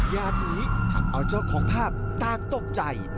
งานนี้ทำเอาเจ้าของภาพต่างตกใจ